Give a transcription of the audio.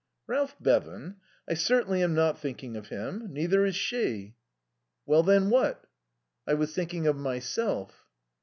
"Ralph Bevan? I certainly am not thinking of him. Neither is she." "Well then, what?" "I was thinking of myself."